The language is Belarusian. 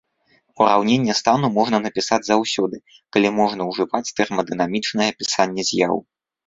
Ураўненне стану можна напісаць заўсёды, калі можна ўжываць тэрмадынамічнае апісанне з'яў.